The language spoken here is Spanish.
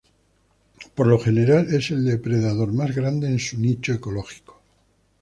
Por lo general es el depredador más grande en su nicho ecológico.